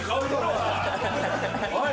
おい！